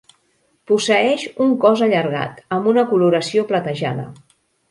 Posseeix un cos allargat, amb una coloració platejada.